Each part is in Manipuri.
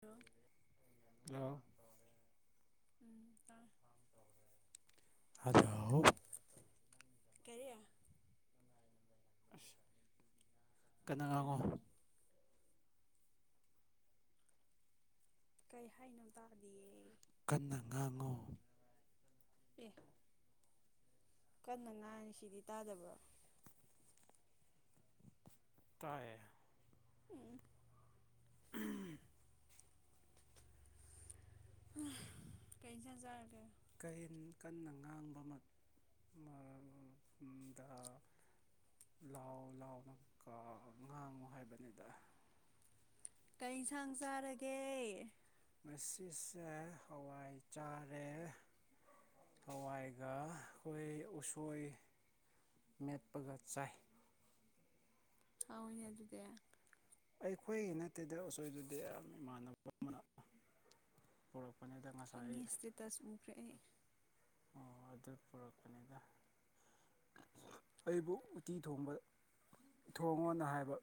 ꯍꯂꯣ ꯍꯂꯣ ꯎꯇ ꯑꯗꯣ ꯀꯔꯤ ꯑ ꯀꯩ ꯀꯩꯅꯒꯀꯣ ꯍꯥꯏꯅꯣ ꯀꯩ ꯍꯥꯏꯅꯕꯧ ꯇꯥꯔꯗꯤꯌꯦ ꯀꯟꯅ ꯉꯥꯡꯉꯨ ꯄꯦ ꯀꯟꯅ ꯉꯥꯏꯔꯤ ꯁꯤꯗꯤ ꯇꯥꯗꯕ꯭ꯔꯣ ꯇꯥꯏ ꯎꯝ ꯀꯩꯖꯦꯟꯖꯔꯒ ꯀꯦꯟ ꯀꯟꯅ ꯉꯥꯡꯕꯃꯛ ꯑꯗ ꯂꯥꯎ ꯂꯥꯎꯅ ꯉꯥꯡꯉꯨ ꯍꯥꯏꯕꯅꯤꯗ ꯀꯩ ꯏꯟꯁꯥꯡ ꯆꯥꯔꯒꯦ ꯁꯤꯁꯦ ꯍꯋꯥꯏ ꯆꯥꯔꯦ ꯍꯋꯥꯏꯒ ꯑꯩꯈꯣꯏ ꯎꯁꯣꯏ ꯃꯦꯠꯄꯒ ꯆꯥꯏ ꯑ ꯑꯗꯨ ꯑꯗꯨꯗꯤ ꯑꯩꯈꯣꯏꯒꯤ ꯅꯠꯇꯦꯗ ꯑꯁꯣꯏꯗꯨꯗꯤ ꯌꯥꯝ ꯏꯃꯥꯟꯅꯕ ꯑꯃꯅ ꯄꯨꯔꯛꯄ ꯈꯪꯉꯦ ꯏꯁꯇꯦꯇꯁ ꯎꯈ꯭ꯔꯦꯦ ꯑꯩ ꯑꯣ ꯑꯗꯨ ꯄꯨꯔꯛꯀꯅꯤꯗ ꯑꯩꯕꯨ ꯎꯇꯤ ꯊꯣꯡꯕ ꯊꯣꯡꯉꯣꯅ ꯍꯥꯏꯕ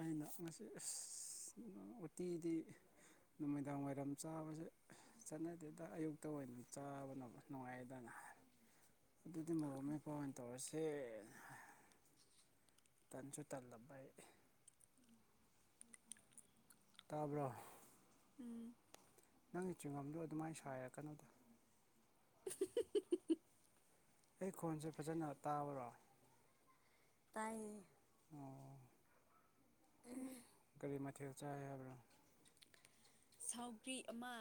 ꯑꯩꯅ ꯉꯁꯤ ꯑ ꯎꯇꯤꯗꯤ ꯅꯨꯃꯤꯗꯥꯡ ꯋꯥꯏꯔꯝ ꯆꯥꯕꯁꯦ ꯆꯠꯅꯗꯦꯗ ꯑꯌꯨꯛꯇ ꯑꯣꯏꯅ ꯆꯥꯕ ꯅꯨꯡꯉꯥꯏꯗꯅ ꯑꯗꯨꯗꯤ ꯃꯣꯔꯣꯛ ꯃꯩꯀ ꯑꯣꯏꯅ ꯇꯧꯔꯁꯦ ꯇꯟꯁꯨ ꯇꯜꯂꯏ ꯇꯥꯔꯕ꯭ꯔ ꯎꯝ ꯅꯪꯒꯤ ꯆꯤꯡꯉꯝꯗꯣ ꯑꯗꯨꯃꯥꯏꯅ ꯁꯥꯏꯔ ꯀꯩꯅꯣꯗ [unintelligible] ꯑꯩ ꯈꯣꯟꯁꯦ ꯐꯖꯅ ꯇꯥꯕꯔꯣ ꯇꯥꯏꯌꯦ ꯑꯣ ꯑꯗꯨ ꯑꯩꯇꯩ ꯃꯥꯊ ꯆ ꯌꯥ ꯁꯥꯎꯒ꯭ꯔꯤ ꯑꯃ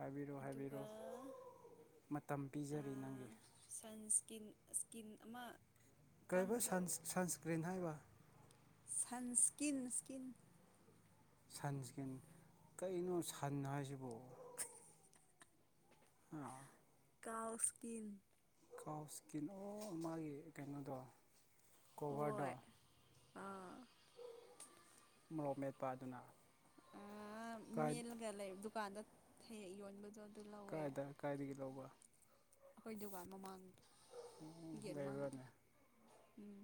ꯍꯥꯏꯕꯤꯔꯣ ꯑꯗꯨꯒ ꯍꯥꯏꯕꯤꯔꯣ ꯃꯇꯝ ꯄꯤꯖꯔꯤ ꯅꯪꯒꯤ ꯁꯀꯤꯟ ꯁꯀꯤꯟ ꯑꯃ ꯀꯕ ꯀꯪꯕꯗꯣ ꯁꯟ ꯁꯟꯁꯀ꯭ꯔꯤꯟ ꯍꯥꯏꯕ ꯁꯟꯁꯀꯤꯟ ꯏꯁꯀꯤꯟ ꯁꯟ ꯏꯁꯀ꯭ꯔꯤꯟ ꯀꯩꯅꯣ ꯁꯟ ꯍꯥꯏꯁꯤꯕꯨ ꯑ ꯀꯥꯎꯁꯀꯤꯤꯟ ꯀꯥꯎ ꯏꯁꯀꯤꯟ ꯑꯣ ꯃꯥꯒꯤ ꯀꯩꯅꯣꯗꯣ ꯀꯣꯚꯔꯗꯣ ꯍꯣꯏ ꯑꯥ ꯃꯣꯔꯣ ꯃꯦꯠꯄ ꯑꯗꯨꯅ ꯃꯦꯜꯂꯒ ꯂꯩ ꯗꯨꯀꯥꯟꯗ ꯌꯣꯟꯕꯗ ꯀꯥꯏꯗ ꯀꯥꯏꯗꯒꯤ ꯂꯧꯕ ꯑꯩꯈꯣꯏ ꯗꯨꯕꯥ ꯃꯃꯥꯡꯗ ꯎ ꯂꯩꯕꯤꯔꯅꯦꯦ ꯎꯝ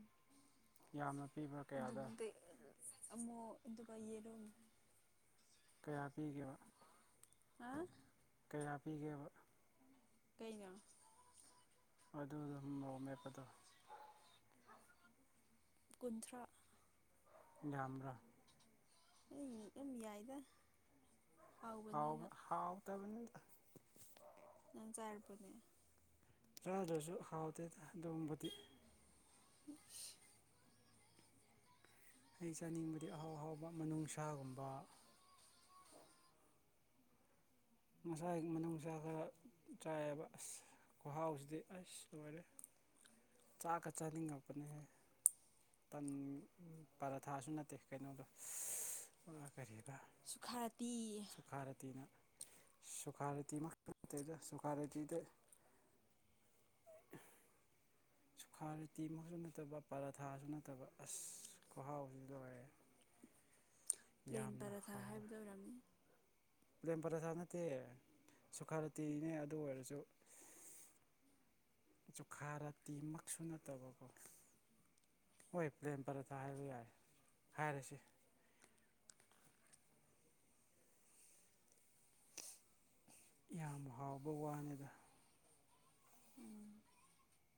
ꯌꯥꯝꯅ ꯄꯤꯕ꯭ꯔꯥ ꯀꯌꯥꯗ ꯑꯃꯛ ꯑꯗꯨꯒ ꯌꯦꯔꯣ ꯀꯌꯥ ꯄꯤꯒꯦꯕ ꯍꯥ ꯀꯌꯥ ꯄꯤꯒꯦꯕ ꯀꯩꯅꯅ ꯑꯗꯨ ꯑꯗꯨꯝꯑꯣ ꯃꯦꯞꯄꯗꯣ ꯀꯨꯟꯊ꯭ꯔꯥ ꯝ꯭ꯔ [unintelligible] [inaudible] ꯂꯩꯌꯥꯥꯏꯗ ꯍꯥꯎ ꯍꯥꯎ ꯇꯕ ꯅꯪ ꯆꯥꯔꯄꯅꯦ ꯆꯥꯗ꯭ꯔꯁꯨ ꯍꯥꯎꯇꯦ ꯑꯗꯨꯒꯕꯗꯤ [unintelligible] [inaudible] ꯑꯩ ꯆꯥꯅꯤꯡꯕꯗꯤ ꯑꯍꯥꯎ ꯑꯍꯥꯎꯕ ꯅꯨꯡꯁꯥꯒꯨꯝꯕ ꯃꯁꯥꯒꯤ ꯃꯅꯨꯡꯁꯥ ꯈꯔ ꯆꯥꯏꯑꯕ ꯑꯁ ꯈꯍꯥꯎꯁꯤꯗꯤ ꯑꯁ ꯂꯣꯏꯔꯦ ꯆꯥꯛꯀ ꯆꯥꯅꯤꯡꯉꯛꯄꯅꯦꯍꯦ ꯄꯔꯥ ꯊꯥꯁꯨ ꯅꯠꯇꯦ ꯀꯩꯅꯣꯗ ꯀꯔꯤꯕ ꯁꯨꯈꯥꯇꯤ ꯁꯨꯈꯥꯔ ꯇꯤꯅ ꯁꯨꯈꯥꯔꯦꯇꯤ ꯁꯨꯈꯥꯔꯦꯇꯗ [unintelligible] [inaudible] ꯁꯨꯈꯥ ꯇꯤꯃꯛꯛꯁꯨ ꯅꯠꯇꯕ ꯄꯔꯥꯊꯥꯁꯨ ꯅꯠꯇꯕ ꯑꯁ ꯈꯍꯥꯎꯁꯨ ꯂꯣꯏꯔꯦ ꯎ [unintelligible] [inaudible] ꯄ꯭ꯂꯦꯟ ꯄꯔꯥꯊꯥ ꯍꯥꯏꯕꯗꯨ ꯑꯣꯏꯔꯝꯃꯤ ꯄꯂꯦꯝ ꯄꯔꯊꯥ ꯅꯠꯇꯦ ꯁꯨꯈꯥꯔꯇꯤꯅꯦ ꯑꯗꯨ ꯑꯣꯏꯔꯁꯨ ꯨꯈꯥꯔ ꯇꯤꯃꯛꯁꯨ ꯅꯠꯇꯕꯀꯣ ꯍꯣꯏ ꯄ꯭ꯔꯂꯦꯝ ꯄꯔꯊꯥ ꯍꯥꯏꯕ ꯌꯥꯔꯦ ꯍꯥꯏꯔꯁꯤ ꯌꯥꯝ ꯍꯥꯎꯕ ꯋꯥꯅꯤꯗ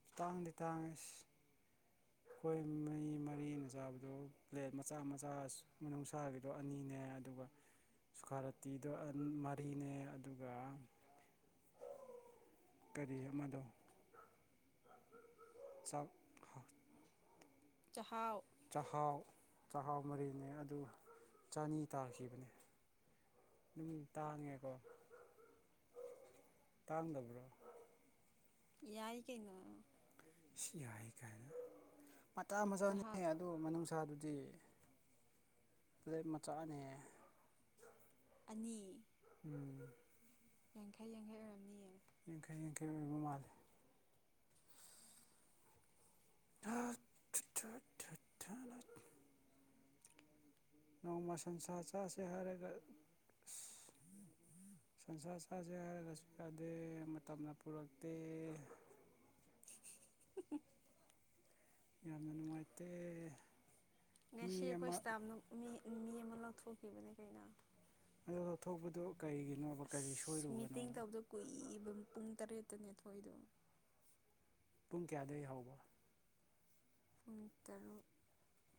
ꯇꯇꯥꯡ ꯇꯇꯥꯡ ꯑꯦꯁ ꯑꯩꯈꯣꯏ ꯃꯔꯤ ꯃꯔꯤꯅ ꯆꯥꯕꯗꯣ ꯄ꯭ꯂꯦꯠ ꯃꯆꯥ ꯃꯆꯥ ꯅꯨꯡꯁꯥꯒꯤꯗꯣ ꯑꯅꯤꯅꯦ ꯑꯗꯨ ꯁꯨꯈꯥꯔꯇꯤꯗꯣ ꯃꯔꯤꯅꯦ ꯑꯗꯨꯒ ꯀꯔꯤ ꯑꯃꯗ ꯆꯥꯎ ꯆꯍꯥꯎ ꯆꯥꯛꯍꯥꯎ ꯆꯥꯛꯍꯥꯎ ꯃꯔꯤꯅꯦ ꯑꯗꯨ ꯆꯅꯤ ꯇꯥꯈꯤꯕꯅꯦ ꯑꯗꯨꯝ ꯇꯥꯡꯉꯦꯀꯣ ꯇꯥꯡ ꯗꯕ꯭ꯔꯥ ꯌꯥꯏ ꯀꯩꯅꯣ ꯁꯤ ꯌꯥꯏ ꯀꯥꯏꯅ ꯃꯇꯇꯥ ꯃꯆꯥꯅꯤ ꯆꯥꯛꯍꯥꯎ ꯑꯗꯨ ꯅꯨꯡꯁꯥꯗꯨꯗꯤ ꯀ ꯃꯆꯥꯅꯦ ꯑꯅꯤ ꯎꯝ ꯌꯥꯡꯈꯩ ꯌꯥꯡꯈꯩ ꯑꯣꯏꯔꯝꯅꯤꯌꯦ ꯌꯥꯡꯈꯩ ꯌꯥꯡꯈꯩ ꯑꯣꯏꯕ ꯃꯥꯜꯂꯦ ꯥ [unintelligible] [inaudible] ꯅꯣꯡꯃ ꯁꯟꯁꯥ ꯆꯥꯁꯦ ꯍꯥꯏꯔꯒ ꯁꯟꯁꯥ ꯆꯥꯁꯦ ꯍꯥꯏꯔꯒꯁꯨ ꯌꯥꯗꯦ ꯃꯇꯝꯅ ꯄꯨꯔꯛꯇꯦ [unintelligible] [inaudible] ꯎ [unintelligible] [inaudible] ꯌꯥꯝꯅ ꯅꯨꯡꯉꯥꯏꯇ ꯉꯁꯤ ꯑꯩꯈꯣꯏ ꯏꯁꯇꯥꯞꯅ ꯃꯤ ꯑꯃ ꯂꯧꯊꯣꯛꯈꯤꯕꯅꯦ ꯀꯩꯅꯣ ꯑ ꯂꯧꯊꯣꯛꯄꯗꯨ ꯀꯔꯤꯒꯤꯅꯣꯕ ꯀꯔꯤ ꯁꯣꯏꯔꯨꯕꯅꯣꯕ ꯕꯝ ꯄꯨꯡ ꯇꯔꯦꯠꯇꯅꯤꯊꯣꯏꯗꯣ ꯄꯨꯡ ꯀꯌꯥꯗꯒꯤ ꯍꯕ ꯄꯨꯡ ꯇꯔꯨꯛ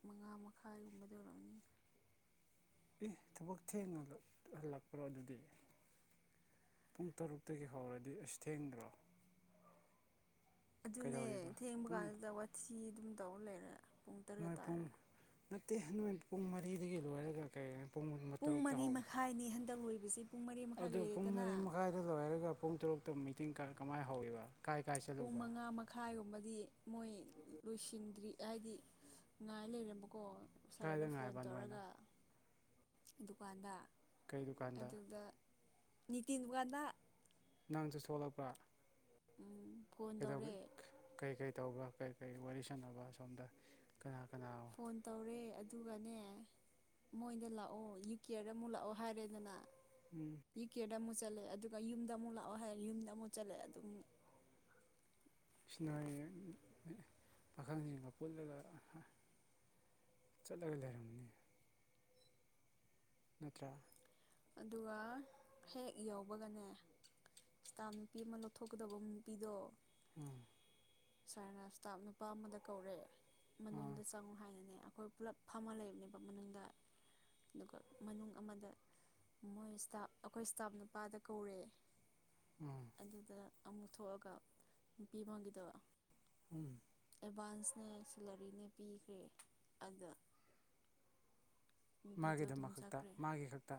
ꯃꯉꯥ ꯃꯈꯥꯏꯒꯨꯝꯕꯗꯧꯔꯛꯑꯅꯤꯅ ꯑꯦ ꯊꯕꯛ ꯊꯦꯡꯅ ꯍꯜꯂꯛꯄ꯭ꯔꯣ ꯑꯗꯨꯗꯤ ꯄꯨꯡ ꯇꯔꯨꯛꯇꯒꯤ ꯍꯧꯔꯗꯤ ꯑꯁ ꯊꯦꯡꯕ꯭ꯔꯣ ꯑꯗꯨꯅꯦ ꯊꯦꯡꯕ ꯄꯨꯡ ꯀꯥꯟꯗꯨꯗ ꯋꯥꯊꯤ ꯑꯗꯨꯝ ꯇꯧꯔ ꯂꯩꯔꯦ ꯄꯨꯡ ꯇꯔꯦꯠ ꯅ ꯇꯥꯔꯦ ꯄꯨꯡ ꯅꯠꯇꯦ ꯅ ꯄꯨꯡ ꯃꯔꯤꯗꯒꯤ ꯂꯣꯏꯔꯒ ꯀꯩ ꯄꯨꯡ ꯃꯇꯝ ꯃꯔꯤ ꯃꯈꯥꯏꯅꯤ ꯍꯟꯗꯛ ꯂꯣꯏꯕꯁꯤ ꯄꯨꯡ ꯃꯔꯤ ꯃꯈꯥꯏ ꯑꯗꯨꯣ ꯄꯨꯡ ꯂꯣꯏꯔꯦꯗꯅ ꯃꯔꯤ ꯃꯈꯥꯏꯗ ꯂꯣꯏꯔꯒ ꯄꯨꯡ ꯇꯔꯨꯛ ꯇꯣ ꯃꯤꯇꯤꯡ ꯀ ꯀꯃꯥꯏ ꯍꯧꯕ ꯄꯨꯡ ꯃꯉꯥ ꯃꯈꯥꯏꯒꯨꯝꯕꯗꯤ ꯃꯣꯏ ꯂꯣꯏꯁꯤꯟꯗ꯭ꯔꯤ ꯍꯥꯏꯗꯤ ꯉꯥꯏ ꯂꯩꯔꯝꯕꯀꯣ ꯁꯥꯔꯗ ꯀꯥꯏꯗ ꯐꯣꯟ ꯉꯥꯏꯕ ꯅꯣꯏꯅ ꯇꯧꯔꯒ ꯗꯨꯀꯥꯟꯗ ꯀꯩ ꯗꯨꯀꯥꯟꯗ ꯇꯤꯟ ꯉꯗ ꯅꯉꯥꯡꯁꯨ ꯁꯣꯛꯂꯛꯄ꯭ꯔꯥ ꯎꯝ ꯀꯩ ꯀꯔꯤ ꯇꯧꯕ ꯀꯔꯤ ꯀꯔꯤ ꯋꯥꯔꯤ ꯁꯥꯟꯅꯕ ꯁꯁꯣꯝꯗ ꯀꯅꯥ ꯀꯅꯥ ꯐꯣꯟ ꯇꯧꯔꯦ ꯑꯗꯨꯒꯅꯦ ꯃꯣꯏꯗ ꯂꯥꯛꯑꯣ ꯌꯨ ꯀꯦꯗ ꯑꯃꯨꯛ ꯂꯥꯛꯑꯣ ꯍꯥꯏꯔꯦꯗꯅ ꯎꯝ ꯌꯨꯀꯦꯗ ꯑꯃꯨꯛ ꯆꯠꯂꯛꯑꯦ ꯑꯗꯨꯒ ꯌꯨꯝꯗ ꯑꯃꯨꯛ ꯂꯥꯛꯑꯣ ꯍꯥꯏ ꯌꯨꯝꯗ ꯑꯃꯨꯛ ꯆꯠꯂꯛꯑꯦ ꯑꯗꯨꯝ ꯅꯔꯤ ꯄꯥꯈꯪꯁꯤꯡꯒ ꯄꯨꯠꯂꯒ ꯆꯠꯂ ꯂꯩꯔꯝꯃꯤꯅꯤ ꯅꯠꯇ꯭ꯔ ꯑꯗꯨꯒ ꯍꯦꯛ ꯌꯧꯕꯒꯅꯦ ꯁꯇꯥ ꯅꯨꯄꯤ ꯑꯃ ꯂꯧꯊꯣꯛꯀꯗꯕ ꯅꯨꯄꯤꯗꯣ ꯎꯝ ꯁꯥꯔꯅ ꯏꯁꯇꯥꯞ ꯅꯨꯄꯥ ꯑꯃꯗ ꯀꯧꯔꯦ ꯑꯥ ꯃꯅꯨꯡꯗ ꯆꯪꯉꯨ ꯍꯥꯏꯅꯅꯦ ꯑꯩꯈꯣꯏ ꯄꯨꯜꯂꯞ ꯐꯝꯃ ꯂꯩꯕꯅꯦꯕ ꯃꯅꯨꯡꯗ ꯑꯗꯨꯒ ꯃꯅꯨꯡ ꯑꯃꯗ ꯃꯣꯏ ꯏꯁꯇꯥ ꯑꯩꯈꯣꯏ ꯏꯁꯇꯥꯞ ꯅꯨꯄꯥꯗ ꯀꯧꯔꯑꯦ ꯎꯝ ꯑꯗꯨꯗ ꯑꯃꯨꯛ ꯊꯣꯛꯑꯒ ꯅꯨꯄꯤ ꯑꯃꯒꯤꯪꯒꯤꯗꯕ ꯎꯝ ꯑꯦꯗꯚꯥꯟꯁꯅꯦ ꯁꯦꯂꯔꯤꯅꯦ ꯄꯤꯈ꯭ꯔꯦ ꯑꯗ ꯅꯨꯄꯤꯗꯣ ꯑꯗꯨꯝ ꯃꯥꯒꯤꯗꯃꯛ ꯈꯛꯇ ꯆꯈ꯭ꯔꯦ ꯃꯥꯒꯤ ꯈꯛꯇ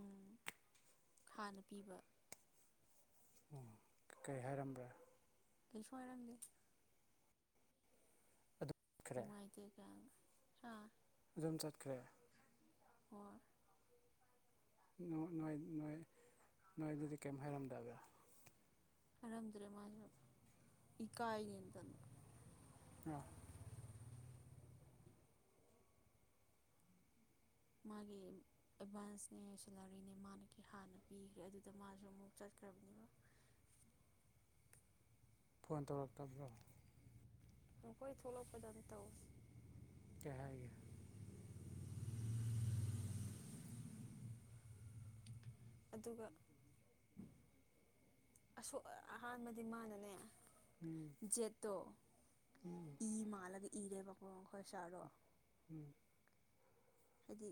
ꯎꯝ ꯈꯥꯅ ꯄꯤꯕ ꯎꯝ ꯀꯩ ꯍꯥꯏꯔꯝꯕ꯭ꯔꯥ ꯀꯩꯁꯨꯏꯔꯒ ꯑꯗꯨꯝ ꯆꯠꯈ꯭ꯔꯦ ꯅꯨꯡꯉꯥꯏꯇꯒ ꯑ ꯑꯗꯨꯝ ꯆꯠꯈ꯭ꯔꯦ ꯑꯣ ꯅ ꯅꯣꯏ ꯑꯗꯨꯗꯤ ꯀꯩꯝ ꯍꯥꯏꯔꯝꯗꯥꯕ ꯑꯔꯗꯨꯔ ꯃꯥ ꯏ ꯀꯥꯏꯅ ꯌꯦꯟ ꯇ ꯑ ꯃꯥꯒꯤ ꯑꯦꯗꯚꯥꯟꯁꯅꯦ ꯁꯦꯂꯔꯤꯅꯦ ꯃꯥꯅ ꯍꯥꯟꯅ ꯄꯤꯈ꯭ꯔꯦ ꯑꯗꯨꯗ ꯃꯥꯁꯨ ꯑꯃꯨꯛꯠ [inaudible] ꯐꯣꯟꯣꯟ ꯇꯧꯔꯛ ꯇꯕ꯭ꯔꯣ ꯅꯈꯣꯏ ꯊꯂꯣꯄꯗꯥ ꯇꯊꯧ ꯌꯥꯔꯒꯤ ꯑꯗꯨꯒ ꯑꯁꯣꯛ ꯑꯍꯥꯟꯕꯗꯤ ꯃꯥꯟꯅꯅꯦ ꯎꯝ ꯖꯦꯠꯇꯣ ꯎꯝ ꯏ ꯃꯥꯜꯂꯒ ꯏꯔꯦꯕ ꯃꯈꯈꯣꯏ ꯁꯥꯔꯣ ꯎꯝ ꯍꯥꯏꯗꯤ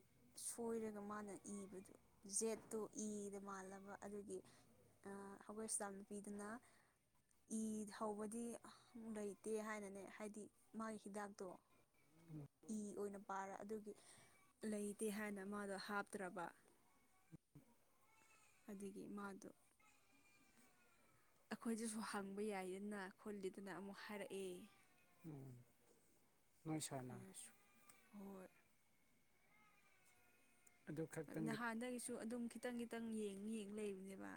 ꯁꯣꯏꯔꯒ ꯃꯥꯅ ꯏꯕꯗꯣ ꯖꯦꯠꯇꯣ ꯏꯗ ꯃꯥꯜꯂꯕ ꯑꯗꯨꯒꯤ ꯑꯩꯈꯣꯏ ꯑꯁꯇꯥꯝ ꯅꯨꯄꯤꯗꯨꯅ ꯏ ꯍꯧꯕꯗꯤ ꯂꯩꯇꯦ ꯍꯥꯏꯅꯅꯦ ꯍꯥꯏꯗꯤ ꯃꯥꯒꯤ ꯍꯤꯗꯥꯛꯇꯣ ꯏ ꯑꯣꯏꯅ ꯄꯥꯔ ꯑꯗꯨꯒꯤ ꯂꯩꯇꯦ ꯍꯥꯏꯅ ꯃꯥꯗꯣ ꯍꯥꯞꯇ꯭ꯔꯕ ꯑꯗꯒꯤ ꯃꯥꯗꯣ ꯑꯩꯈꯣꯏꯗꯁꯨ ꯍꯥꯡꯕ ꯌꯥꯏꯗꯅ ꯈꯣꯜꯂꯤꯗꯅ ꯑꯃꯨꯛ ꯍꯥꯏꯔꯛꯑꯦ ꯎ ꯅꯣꯏ ꯁꯅ ꯑꯗꯨꯁꯨ ꯍꯣꯏ ꯑꯗꯨ ꯈꯛꯇꯪꯒꯤ ꯅꯍꯥꯟꯗꯒꯤꯁꯨ ꯑꯗꯨꯝ ꯈꯤꯇꯪ ꯈꯤꯇꯪ ꯌꯦꯡ ꯌꯦꯡ ꯂꯩꯕꯅꯦꯕ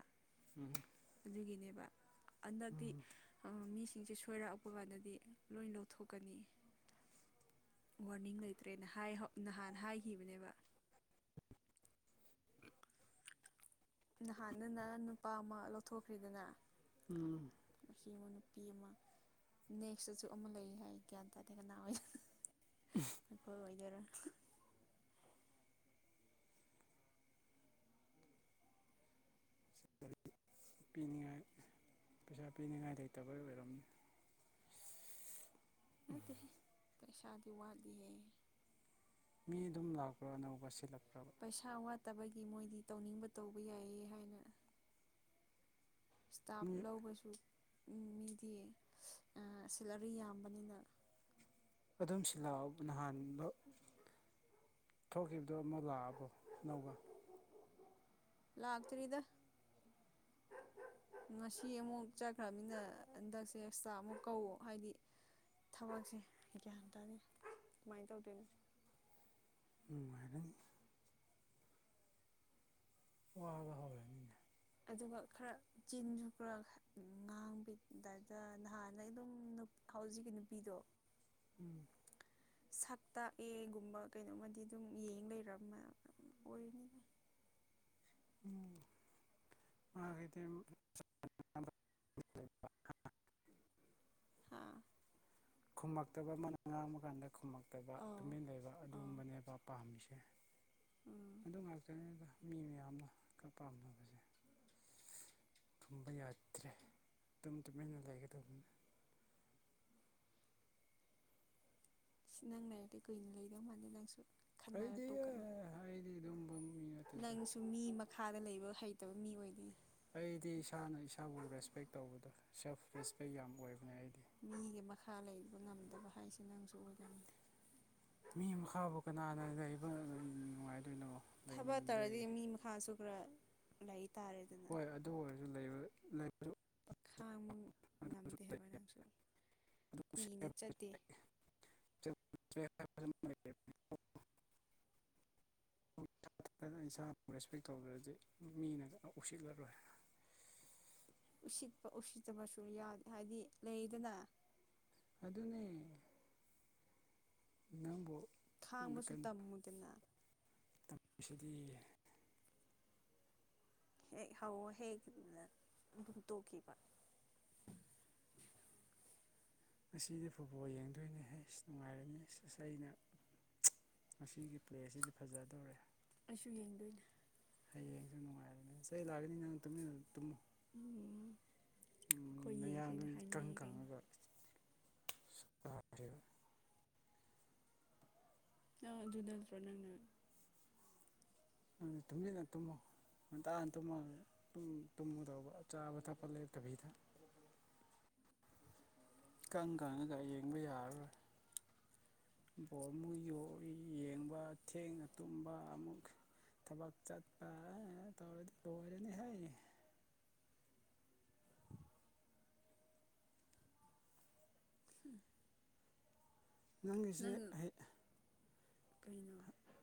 ꯎꯝ ꯑꯗꯨꯒꯤꯅꯦꯕ ꯍꯟꯗꯛꯇꯤ ꯎꯝ ꯃꯤ ꯁꯤꯡꯁꯦ ꯁꯣꯏꯔꯛꯄ ꯀꯥꯟꯗꯗꯤ ꯂꯣꯏ ꯂꯧꯊꯣꯛꯀꯅꯤ ꯋꯥꯔꯅꯤꯡ ꯂꯩꯇ꯭ꯔꯦꯅ ꯅꯍꯥꯟ ꯍꯥꯏꯈꯤꯕꯅꯦꯕ ꯅꯍꯥꯟ ꯅ ꯅꯨꯄꯥ ꯑꯃ ꯂꯧꯊꯣꯛꯈ꯭ꯔꯤꯗꯅ ꯎꯝ ꯅꯨ ꯑꯃ ꯅꯨꯄꯤ ꯑꯃ ꯅꯦꯛꯁꯇꯁꯨ ꯑꯃ ꯂꯩ ꯍꯥꯏ ꯒ꯭ꯌꯥꯟ ꯇꯥꯗꯦ ꯀꯅꯥ ꯑꯣꯏ ꯑꯩꯈꯣꯏ ꯏꯗꯔ [unintelligible] ꯄꯤꯅꯤꯡꯉꯥꯏ ꯄꯩꯁꯥ ꯄꯤꯅꯤꯡꯉꯥꯏ ꯂꯩꯇꯕ ꯑꯣꯏꯔꯝꯅꯤ ꯅꯠꯇ ꯄꯩꯁꯥꯗꯤ ꯋꯥꯠꯂꯤꯦ ꯃꯤ ꯑꯗꯨꯝ ꯂꯥꯛꯄ꯭ꯔꯣ ꯑꯅꯧꯕ ꯁꯤꯜꯂꯛꯄ ꯄꯩꯁꯥ ꯋꯥꯠꯇꯕꯒꯤ ꯃꯣꯏꯗꯤ ꯇꯧꯅꯤꯡꯕ ꯇꯧꯕ ꯌꯥꯏꯌꯦ ꯍꯥꯏꯅ [unintelligible] ꯏꯁꯇꯥꯞ ꯃꯤ ꯂꯧꯕꯁꯨ ꯃꯤꯗꯤ ꯁꯦꯂꯔꯤ ꯌꯥꯝꯕꯅꯤꯅ ꯑꯗꯨꯝ ꯁꯤ ꯂꯥꯛꯑꯣ ꯅꯍꯥꯟꯥꯟꯕ ꯊꯣꯛꯈꯤꯕꯗꯨꯣ ꯑꯃꯨꯛ ꯂꯥꯛꯑꯕꯣ ꯑꯅꯧꯒ ꯂꯥꯛꯇ꯭ꯔꯤꯗ [unintelligible] ꯉꯁꯤ ꯑꯃꯨꯛ ꯆꯠꯈ꯭ꯔꯕꯅꯤꯅ ꯍꯟꯗꯛꯁꯦ ꯑꯦꯛꯁꯇ꯭ꯔꯥ ꯑꯃꯨꯛ ꯀꯧ ꯍꯥꯏꯗꯤ ꯊꯕꯛꯁꯦ ꯒ꯭ꯌꯥꯟ ꯇꯥꯔꯦ ꯀꯃꯥꯏꯅ ꯇꯧꯗꯣꯏꯅꯣ ꯎ ꯃꯔ ꯋꯥꯗ ꯍꯣꯏ ꯑꯗꯨꯒ ꯈꯔ ꯆꯤꯟꯖꯨ ꯈ ꯉꯥꯡꯕꯤꯗꯗ ꯅꯍꯥꯟꯅ ꯑꯗꯨꯝ ꯍꯧꯖꯤꯛꯀꯤ ꯅꯨꯄꯤꯗꯣ ꯎꯝ ꯁꯛ ꯇꯥꯛꯑꯦꯒꯨꯝꯕ ꯀꯩꯅꯣꯝꯃꯗꯤ ꯑꯗꯨꯝ ꯌꯦꯡ ꯂꯩꯔ ꯑꯣꯏꯅꯤꯅ [unintelligible] ꯎ ꯑꯣ ꯈꯩꯗꯤ ꯍꯥꯥ ꯈꯨꯝꯃꯛꯇꯕ ꯑꯃꯅ ꯉꯥꯡꯕ ꯀꯥꯟꯗ ꯈꯨꯝꯂꯛꯇꯕ ꯑꯥꯎ ꯇꯨꯃꯤꯟ ꯂꯩꯕ ꯑꯥꯎ ꯑꯗꯨꯒꯨꯝꯕꯅꯦꯕ ꯄꯥꯝꯃꯤꯁꯦ ꯎꯝ ꯑꯗꯨ ꯉꯥꯛꯇꯅꯤꯗ ꯃꯤ ꯃꯌꯥꯝꯅ ꯈꯔ ꯄꯥꯝꯅꯕꯁꯦ ꯊꯨꯝꯕ ꯌꯥꯗ꯭ꯔꯦ ꯇꯞ ꯇꯨꯃꯤꯟꯅ ꯂꯩꯒꯗꯧꯕꯅꯤ ꯁꯤ ꯅꯪ ꯂꯩꯔꯗꯤꯦ ꯀꯨꯏꯅ ꯂꯩꯗꯧ ꯃꯥꯥꯟ ꯅꯪꯁꯨ ꯈꯟꯅꯔ ꯑꯩꯗꯤ ꯇꯣꯛꯀꯅꯤ ꯑꯩꯗꯤ ꯑꯗꯨꯝꯕ ꯃꯤ ꯅꯠꯇꯦꯗ ꯅꯪꯁꯨ ꯃꯤ ꯃꯈꯥꯗ ꯂꯩꯕ ꯍꯩꯇꯕ ꯃꯤ ꯑꯣꯏꯗꯦ ꯑꯩꯗꯤ ꯏꯁꯥꯅ ꯏꯁꯥꯕꯨ ꯔꯦꯁꯄꯦꯛ ꯇꯧꯕꯗꯦ ꯁꯦꯜꯐ ꯔꯦꯁꯄꯦꯛ ꯌꯥꯝ ꯑꯣꯏꯕꯅꯦ ꯑꯩꯗꯤ ꯈꯥ ꯂꯩꯕ ꯉꯝꯗꯕ ꯍꯥꯏꯁꯦ ꯅꯪꯁꯨ ꯑꯣꯏꯒꯅꯤ ꯃꯤ ꯃꯈꯥꯕꯨ ꯀꯅꯥꯅ ꯂꯩꯕ ꯅꯨꯡꯉꯥꯏꯗꯣꯏꯅꯣ ꯂꯩꯅꯤꯡꯗ ꯈꯥꯁꯨꯛ ꯂꯩ ꯍꯣꯏ ꯑꯗꯨ ꯑꯣꯏꯔꯁꯨ ꯈꯥꯡꯕ ꯉꯝꯗꯦ ꯍꯥꯏꯕ ꯅꯪꯁꯨ ꯀꯨꯏꯅ ꯆꯠꯇꯦ [unintelligible] ꯃꯊ ꯏꯁꯥꯕꯨ ꯔꯦꯁꯄꯦꯛ ꯇꯧꯗꯔꯗꯤ ꯃꯤꯅ ꯎꯁꯤꯠꯂꯔꯣꯏ ꯎꯁꯤꯠꯄ ꯎꯁꯤꯠꯇꯕꯁꯨ ꯌꯥꯗꯦ ꯍꯥꯏꯕꯗꯤ ꯂꯩꯗꯅ ꯑꯗꯨꯅꯦ ꯅꯕꯨ ꯈꯥꯡꯕꯁꯨ ꯇꯝꯃꯨꯗꯦ ꯇꯨꯄ ꯑꯁꯤꯗꯤ ꯍꯦꯛ ꯍꯧꯋꯣ ꯍꯦꯛ ꯑꯗꯨꯝ ꯇꯣꯛꯈꯤꯕ [inaudible] ꯉꯁꯤꯗꯤ ꯐꯨꯠꯕꯣꯜ ꯌꯦꯡꯗꯣꯏꯅꯦ ꯍꯥꯏ ꯁꯤ ꯅꯨꯡꯉꯥꯏꯔꯝꯅꯤꯁ ꯑꯩꯅ ꯃꯁꯤꯒꯤ ꯄ꯭ꯂꯦꯁꯤꯗꯤ ꯐꯖꯗꯧꯔꯦ ꯑꯁꯨꯣꯏ ꯌꯦꯟꯗꯣꯏꯅ ꯍꯌꯦꯡꯁꯨ ꯅꯨꯡꯉꯥꯏꯔꯅꯦ ꯆꯩ ꯂꯥꯛꯑꯀꯅꯤ ꯅꯪ ꯇꯨꯃꯤꯟꯅ ꯇꯨꯝꯃꯨ ꯑꯣꯝ ꯃꯌꯥꯗꯨ ꯏꯀꯪ ꯈꯪꯉꯒꯈꯦ ꯑ ꯑꯗꯨꯗꯣꯅꯪꯅ ꯇꯃꯣ ꯉꯟꯇꯥ ꯇꯨꯝꯃꯒ ꯇꯨꯝꯃꯨꯗꯧꯕ ꯆꯥꯕ ꯊꯛꯄ ꯂꯩꯇꯕꯤꯗ ꯀꯪ ꯀꯪꯉꯒ ꯌꯦꯡꯕ ꯌꯥꯔꯔꯣꯏ ꯕꯣꯝ ꯑꯃꯨꯛ ꯌꯣꯛꯏ ꯌꯦꯡꯕ ꯊꯦꯡꯅ ꯇꯨꯝꯕ ꯑꯃꯨꯛ ꯊꯕꯥꯛ ꯆꯠꯄꯧꯗꯤꯅꯤ ꯍꯥꯏ ꯎꯝ ꯅꯪꯒꯤꯁꯦ ꯑꯩ ꯀꯩꯅꯣ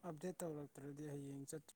ꯑꯞꯗꯦꯠ ꯇꯧꯔꯛꯇ꯭ꯔꯗꯤ ꯍꯌꯦꯡ ꯆꯠ